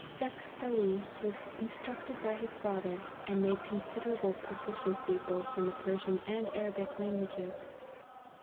Shekh Salih was instructed by his father, and made considerable proficiency both in the Persian and Arabic languages.